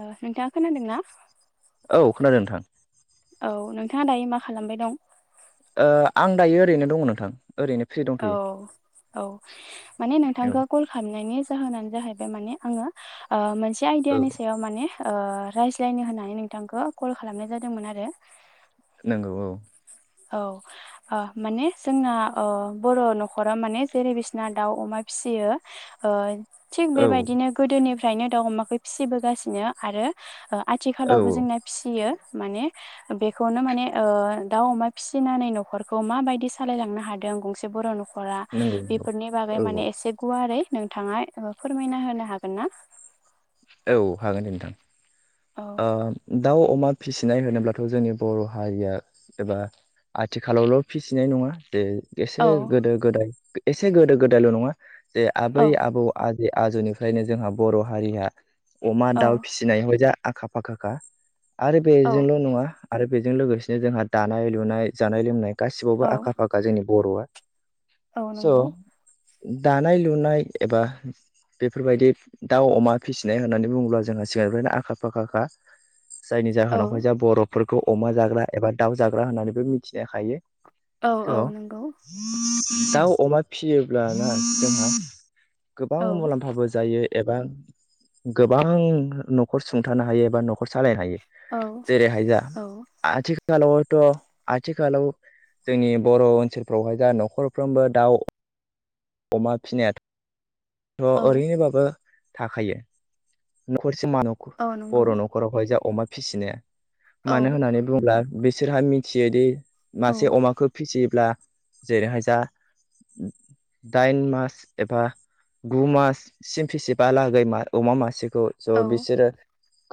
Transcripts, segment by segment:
नोंथाङा खोनादोंना? औ खोनादों नोंथां। औ नोंथाङा दायो मा खालामबाय दं? ओ आं दायो ओरैनो दङ नोंथां । ओरैनो फ्रि औ दंथ'यो औ माने औ नोंथांखौ कल खालामनायनि जाहोनानो जाहै माने आङो ओ मोनसे औ आयदिनि सायव माने ओ रायज्लायनो होननानै नोंथांखो कल खालामनाय जादोंमोन आरो नोंगौ औ। औ माने ओ जोंना अ बर नखराव माने जेरै बिसिना दाउ अमा फिसियो ओ थिग औ बेबायदिनो गोदोनिफ्रायनो दाउ अमाखौ फिसिबोगासिनो आरो ओ औ आथिखालावबो जोंना फिसियो माने बेखौनो माने दाउ अमा फिसिनानै न'खरखौ माबायदि सालायलांनो हादों गंसे बर' न'खर फरा नंगौ नंगौ बेफोरनि बागै औ माने एसे गुवारै नोंथाङा एबा फोरमायना होनो हागोन ना? औ हागोन दे नोंथां औ ओह दाउ अमा फिसिनाय होनोब्लाथ' जोंनि बर' हारिया एबा आथिखालावल' फिसिनाय नङा । जे औ एसे गोदो गोदाय एसे गोदो गोदायल' नङा जे आबै औ आबौ आजे आजोनिफ्रायनो जोंहा बर' हारिया अमा दाउ औ फिसिनायाव जा आखा फाखा खा आरो औ बेजोंल' नङा आरो बेजों लोगोसेनो जोंहा दानाय लुनाय जानाय लोंनाय औ गासिबावबो आखा फाखा जोंनि बर'आ औ स' नंगौ दानाय लुनाय एबा बेफोरबायदि दाउ अमा फिसिनाय होननानै बुङोब्ला जोंहा सिगांनिफ्रायनो आखा फाखा फाखाखा जायनि औ जाहोनावहाय जा बरफ फोरखौ अमा जाग्रा एबा दाउ जाग्रा होननानैबो मिथिनो हायो। औ औ स' नंगौ। दाउ अमा फिसियोब्लाना जोंहा गोबां औ मुलाम्फाबो जायो। एबा गोबां न'खर सुंथानो हायो एबा नखर नखर सालायनो हायो औ जेरैहाय जा औ आथिखालावथ' आथिखालाव जोंनि बर' ओनसोलफ्रावहाय जा न'खरफ्रोमबो दाउ अमा फिसिनायाथ' औ ओरैनोबाबो थाखायो। खर सिमा नखर औ नंगौ बर' न'खरावहाय जोंहा अमा फिसिनाया मानो औ होननानै बुङोब्ला बिसोरहा मिथियो दि औ मासे अमाखौ फिसियो फिलियोब्ला जेरैहाय जा दाइन मास एबा गु माससिम फिसिबालागै अमा मासेखौ ज' औ ज' बिसोरो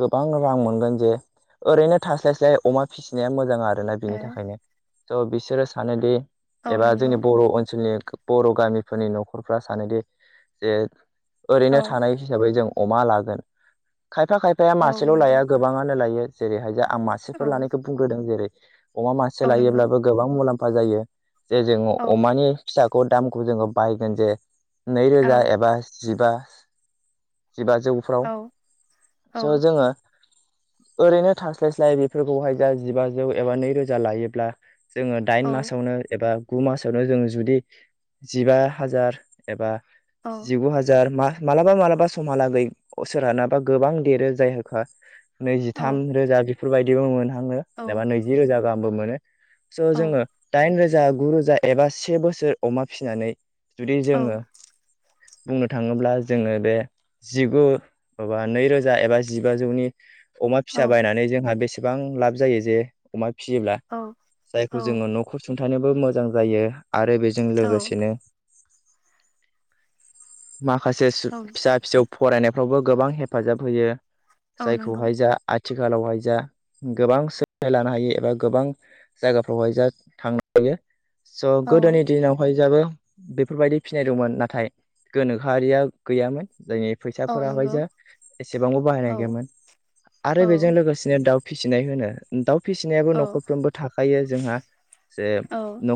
गोबां रां मोनगोन जे ओरैनो थास्लायस्लाय अमा फिसिनाया मोजां आरो आरोना औ बिनि थाखायनो थ बिसोरो सानोदि औ एबा नंगौ जोंनि बर' ओनसोलनि बर' गामिफोरनि न'खरफ्रा सानोदि जे औ ओरैनो थानाय हिसाबै जों अमा लागोन खायफा खायफाया औ मासेल' नंगौ लाया गोबाङानो लायो जेरैहाय जा आं मासेफोर औ लानायखौ बुंग्रोदों जेरै अमा मासे औ नंगौ लायोब्लाबो गोबां मुलाम्फा जायो जे जोंङो औ अमानि फिसाखौ दाम खौ जों बाहायगोन जे नै औ रोजा एबा जिबा जिबा औ जौफ्राव औ स' जोङो ओरैनो थास्लाय स्लाय बेफोरखौहाय जा जिबाजौ एबा नै रोजा लायोब्ला जोङो दाइन मासावनो एबा गु मासावनो जों जुदि जिबा हाजार एबा औ जिगु हाजार मा मालाबा मालाबा समहालागै सोरानाबा गोबां देरो जायफ्रा औ नैजिथाम रोजा बेफोरबायदिबो मोनहाङो एबा नैजि रोजा गाहामबो मोनो। स' औ जोङो दाइन रोजा गुरोजा एबा से बोसोर अमा फिसिनानै जुदि जोङो बुंनो थाङोब्ला जोङो बे जिगु माबा नैरोजा एबा जिबाजौनि अमा फिसा बायनानै जोंहा बेसेबां लाब जायो जे अमा फियोब्ला औ जायखौ जोङो न'खर सुंथानोबो मोजां जायो आरो बेजों लोगो माखासे सु फिसा फिसौ फरायनायफ्रावबो गोबां हेफाजाब होयो औ नंगौ जायखौहाय जा आ थिखालावहाय जा गोबां सोलोंथाइ लानो हायो एबा गोबां जायगाफ्रावहाय जा थांनो हायो स औ गोदोनि दिनाव आमफाय जोहाबो बेफोरबायदि फिनाय दंमोन नाथाय गोनोखोआरिया गैयामोन। जोंनि औ फैसाफोराहाय नंगौ जा एसेबांबो औ बाहायनाय गैयामोन आरो औ बेजों लोगोसेनो दाउ फिसिनाय होनो दाउ फिसिनायाबो औ न'खरफ्रोमबो थाखायो जोंहा जे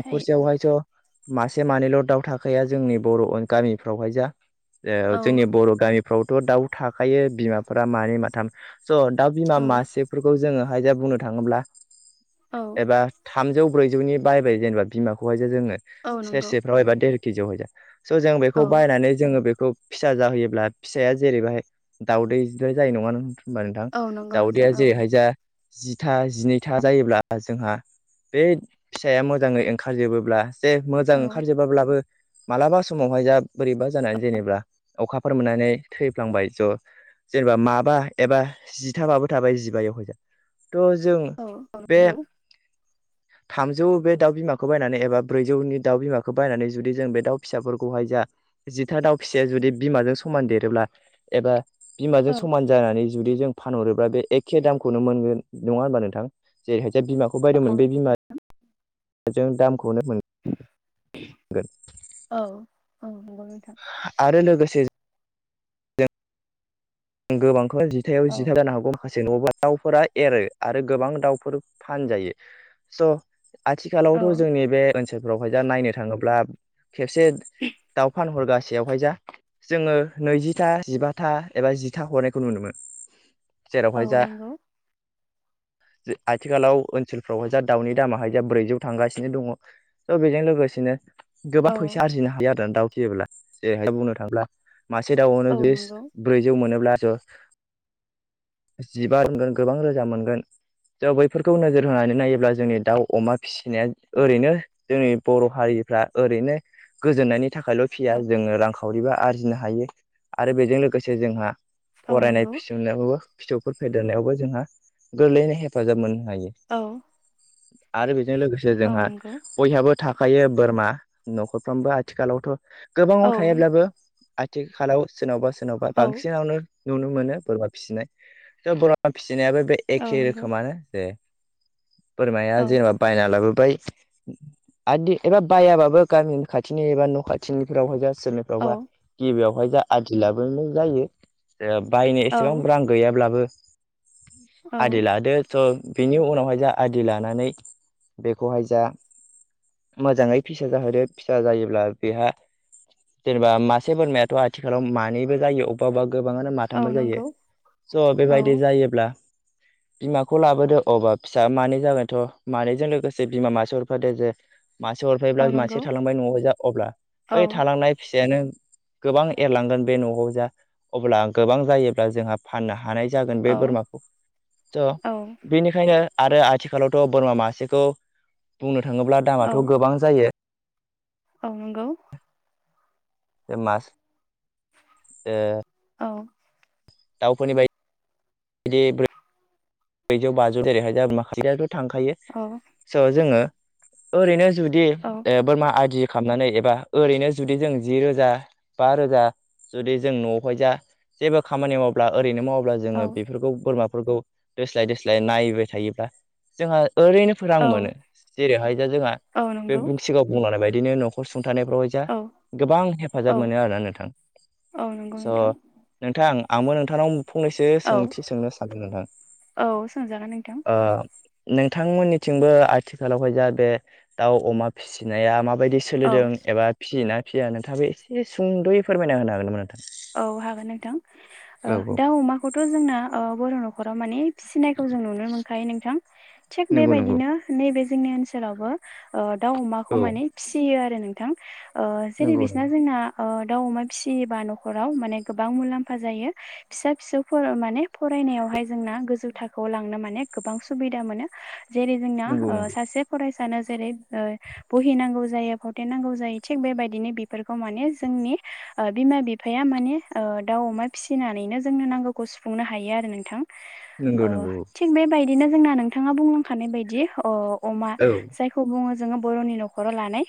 थायो मासे मानैल' दाउ थाखाया जोंनि बर' गामिफ्रावहाय जा औ जोंनि बर' गामि फ्रावथ' दाउ थाखायो बिमाफोरा मानै माथाम स' दाउ बिमा औ मासेफोरखौ जोङो आयजाया बुंनो थाङोब्ला औ एबा थामजौ ब्रैजौनि बायबाय जेनेबा बिमाखौहाय जो जोङो औ नंगौ सेरसेफ्रावहाय बा देर केजियावहाय स' जों औ बेखौ बायनानै जोङो बेखौ फिसा जाहोयोब्ला फिसाया जेरैबाहाय दाउदैनिफ्राय जायो नङा होमबा नोंथां औ नंगौ नोंथां दावदैया औ जेरैहाय जा जिथा जिनैथा जायोब्ला जोंहा बे फिसाया मोजाङै ओंखारजोबोब्ला जे मोजां औ ओंखार जोबाब्लाबो मालाबा समावहाय जा बोरैबा जानानै जेनेबा अखाफोर मोननानै थैफ्लांबाय ज' जेनेबा माबा एबा जिथाबाबो थाबाय जिबायावहाय थ' जों औ औ बे नंगौ थामजौ बे दाउ बिमाखौ बायनानै एबा ब्रैजौनि दाउ बिमाखौ बायनानै जुदि जों बे दाउ फिसाफोरखौहाय जा जिथा दाउ फिसाया जुदि बिमाजों स समान देरोब्ला एबा औ बिमाजों समान जानानै जुदि जों फानहरोब्ला बे एखे दामखौनो मोनगोन नङा होनबा नोंथां जेरैहाय जे बिमाखौ बायदों बे बिमा जों दामखौनो मोन गोन औ औ नंगौ नोंथां से गोबांखौ जिथायाव जिथा औ जानो हागौ माखासे जेनबा दाउफोरा एरो आरो गोबां दाउफोर फानजायो स' आथिखालावथ' औ जोंनि बे ओनसोलफ्रावहाय दा नायनो थाङोब्ला खेबसे दाव फान हरगासिनो सेयावहाय जा जोङो नैजिथा जिबा था एबा जिथा हरनायखौ नुनो मोनो औ जेरावहाय जा नोंगौ आथिखालाव ओनसोलफ्रावहाय जा दाउनि दामाहाय जा ब्रैजौ थांगासिनो दङ त' बेजों लोगोसे बिदिनो औ गोबां फैसा आरजिनो हायो आरोा दाउ फियोबोब्ला जेरैहायाय बुंनो थांब्ला मासे दाउआवनो औ जुदि नंगौ ब्रैजौ मोनोब्लास' जिबा दावजों गोबां रोजा मोनगोन ज' बैफोरखौ नोजोर होनानै नायोब्ला जोंनि दाउ अमा फिसिनाया ओरैनो जोंनि बर' हारि फ्रा ओरैनो गोजोननायनि थाखायल' औ फिया जोङो रांखावरिबो आरजिनो हायो आरो बेजों लोगोसे जोंहा औ फरायनाय नंगौ फिसनायावबो फिसौफोर फेदेरनायावबो जोंहा गोरलैयैनो हेफाजाब मोनो हायो औ आरो बेजों लोगोसे औ जोंहा नंगौ बयहाबो थाखायो बोरमा न'खरफ्रामबो आथिखालावथ' औ गोबाङाव थायालाबो आथिखालाव सोरनावबा सोरनावबा औ बांसिनावनो नुनो मोनो बोरमा फिसिनाय स' बोरमा फिसिनायाबो बे औ एखे नंगौ रोखोमानो जे औ बोरमाया जेनेबा बायना लाबो फ्राय आदि एबा बयबाबो गामि खाथिनि एबा न' खाथिनिफ्रावहाय जास औ सोरनिफ्रावबा गिबियावहाय जा आदि लाबोनाय जायो ओ बायनो एसेबां औ रां गैयाब्लाबो औ आदि लादो स' बेनि उनावहाय जा आदि लानानै बेखौहाय जा मोजाङै फिसा जाहोदो फिसा जायोब्ला बेहा जेनेबा मासे बोरमायाथ' आथिखालाव मानैबो जायो अबेबा अबेबा गोबाङानो औ माथामबाय जायो नंगौ स' औ बेबायदि जायोब्ला बिमाखौ लाबोदो अबा फिसा मानै जागोनथ' मानैजों लोगोसे बिमा मा सो हरफादो जे मासे हरफैब्ला औ मासे नंगौ थालांबाय न'आव जा अब्ला औ बै थालांनाय फिस यामे गोबां एरलांगोन बे न'आव जा अब्ला गोबां जायोब्ला जोंहा फाननो हानाय जागोन औ बे बोरमाखौ थ' औ बेनिखायनो आरो आथिखालावथ' बोरमा मासेखौ बुंनो थाङोब्ला दामाथ' गोबां जायो औ‌ नंगौ ओमास ओ अ दाउफोरनि बाय [unintelligible] ब्रैजौ बाजौ जेरैहाय दाम माखासेयाथ थांखायो औ स' जोङो ओरैनो जुदि ओ औ बोरमा आदि खालामनानै एबा ओरैनो जुदि जों जि रोजा बा रोजा जुदि जों न'आवहाय जा जेबो खामानि मावब्ला ओरैनो माव ब्ला जोङो बेफोरखौ बोरमाफोरखौ दोस्लाय दोस्लाय नायबाय थायोब्ला जोंहा ओरैनो फोरां मोनो जेरैहाय जा जोंहा औ बे नंगौ सिगाङाव बुंनाय बायदिनो न'खर सु थानायफ्रावाय जा औ गोबां औ हेफाजाब मोनो आरोना नोंथां औ नंगौ स' नोंथां नोंथां आंबो नोंथांनाव फंनैसो औ सोंथि सोंनो सानो नोंथां औ सोंजागोन नोंथां ओ नोंथांमोननिथिंबो आथिखालावहा जा बे दाउ अमा फिसिनाया माब बायदि औ सलिदों एबा फियो ना फिया नोंथाङाबो एसे सुंद'यै फोरमायना होनो हागोन नामा नो औ हागोन नोंथां औ औ दा ओ अमाखौथ' जोंना ओ बर' न'खराव माने फिसिनायखौ जों नुनो मोनखायो नोंथां थिग नंगौ नंगौ बेबायदिनो नैबे जोंनि ओनसोलावबो ओ दाउ अमाखौ औ माने फिसियो आरो नोंथां ओ जेरै नंगौ बिसना जोंना ओ दाउ अमा फिसियोबा न' खराव माने गोबां मुलाम्फा जायो फिसा फिसौफोराव माने फरायनायावहाय जोंना गोजौ थाखोआव [unintelligible] लांनो माने गोबां सुबिदा मोनो जेरै जोंना नंगौ ओ सासे फरायस सानो जेरै ओ बहिनांगौ जायो फावथेनांगौ जायो थिग बेबायदिनो बेफोरखौ माने जोंनि ओ बिमा बि फाया माने ओ दाउ अमा फिसिनानैनो जोंनो नांगौखौ सुफुंनो हायो आरो नोंथां अ नंगौ नंगौ थिग बेबायदिनो जोंना नोंथाङा बुंलांखानाय बायदि ओ अमा जायखौ बुङो जोङो बर'नि नखराव लानाय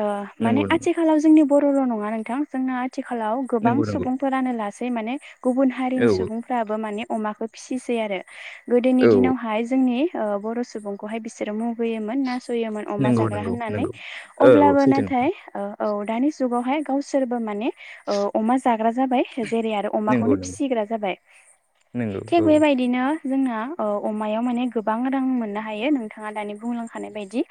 ओ माने नंगौ आथिखालाव जोंनि बर'र' नङा नोंथां जोंना आथिखालाव गोबां नंगौ औ नंगौ सुबुंफोरानो लासै माने गुबुन हारिनि औ सुबुंफ्राबो माने अमाखौ फिसिसै आरो गोदोनि औ दिनावहाय जोंनि ओ बर' सुबुंखौहाय बिसोरो मुगैयोमोन नास सयोमोन अमा नंगौ जाग्रा नंगौ होननानै नंगौ औ औ अब्लाबो सैथो नोंथां नाथाय ओ औ दानि जुगावहाय गावसोरबो माने ओ अमा जा ग्रा जाबाय जेरै आरो नंगौ अमाखौनो नंगौ फिसिग्रा जाबाय नंगौ थिग औ बेबायदिनो जोंना ओ अमायाव माने गोबां रां मोननो हायो नोंथाङा दानि बुंलांखानाय बायदि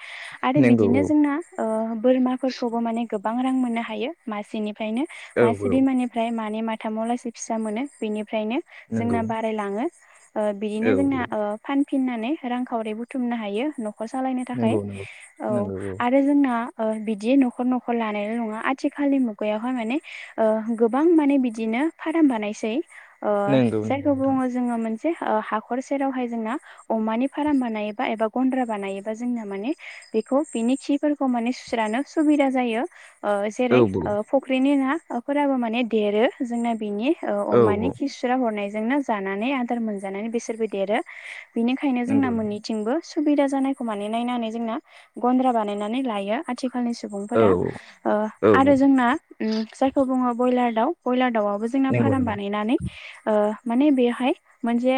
आरो नंगौ बिदिनो जोंना ओ बोरमाफोरखौबो माने गोबां रां मोननो हायो मासेनिफ्रायनो औ मासे औ औ बिमानिफ्राय मानै मा थामाव लासै फिसा मोनो बेनि फ्रायनो नंगौ जोंना बारायलाङो ओ बिदिनो औ जों औ ओ फान फिननानै रांखावरि बुथुमनो हायो न'खर सालायनो थाखाय नंगौ नंगौ औ नंगौ आरो जोंना ओ बिदि न'खर न'खर लानायल' नङा आथिखालनि मुगायावहाय माने ओ गोबां माने बिदिनो फार्म बानायसै ओ नंगौ जायखौ नंगौ नोंथां बुङो जोङो मोन से ओ हाखर सेरावहाय जोंना अमानि फार्म बानायोबा एबा गन्द्रा बानायोबा जोंना माने बेखौ बिनि खिफोरखौ माने सुस्रानो सुबिदा जायो ओ औ जेरै ओ औ फुख्रिनि नाफोराबो माने देरो जोंना बेनि ओ औ अमानि औ खिसुरा हरनायजोंनो जानानै आदार मोनजानानै बिसोरबो देरो बेनिखायनो जोंना नंगौ नंगौ मोन्नैथिंबो सुबिदा जानायखौ माने नायनानै जोंना गन्द्रा बानायनानै लायो आथिखाल खालनि औ सुबुंफोरा औ ओ नंगौ आरो जोंना उम जायखौ बुङो ब्रयलार दाउ ब्रयलार दाउआ बो जोंना नंगौ फार्म बानायनानै ओ माने बेहाय मोनसे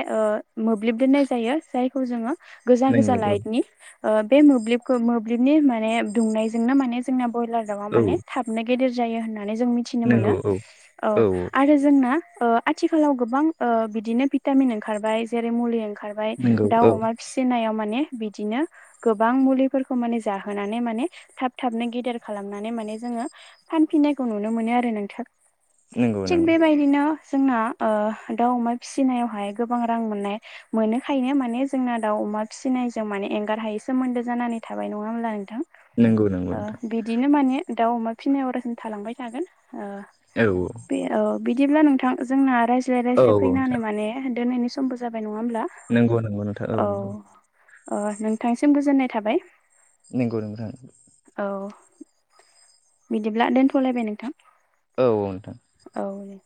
मोब्लिब दोननाय जायो जायखौ जोङो गोजा गोजा नंगौ लाइटनि ओ बे मोब्लिबखौ-मोब्लिबनि माने दुंनायजोंनो माने जोंना बयलार दावा औ माने थाबनो गेदेर जायो होननानै जों मिथिनो मोनो नंगौ औ औ आरो जोंना ओ आथिखालाव गोबां ओ बिदिनो भिटामिन ओंखारबाय जेरै मुलि ओंखार खारबाय नंगौ औ दाउ अमा फिसिनायाव माने ने बिदिनो गोबां मुलिफोरखौ माने जाहोनानै माने थाब-थाबनो गेदिर खालामनानै माने माने जोङो फानिनायखौ नुनो मोनो आरो नोंथां नंगौ थिग नंगौ बेबायदिनो जोंना ओ दाउ, अमा फिसिनायावहाय गोबां रां मोननाय मोनोखायनो माने जोंना दाउ अमा फिसिनायजों माने एंगारहायै सोमोन्दो जानानै थाबाय नङा होमब्ला नोंथां। नंगौ नंगौ ओ नोंथां बिदिनो माने दाउ अमा फिसिनाया अरयसम थालांबाय थागोन। ओ औ औ बे औ बिदिब्ला नोंथां जोंना रायज्लाय औ रायज्लाय औ फैनानै नोंथां माने दोनायनि समबो जाबाय नङा होमब्ला नंगौ नंगौ नोंथां औ नंगौ अ नोंथांसिम गोजोननाय थाबाय। नंगौ नोंथां औ बिदिब्ला दोनथ'लायबाय नोंथां। औ नोंथां औ दे